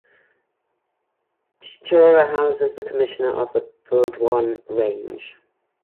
Chuchura houses the Commissioner of the Burdwan Range.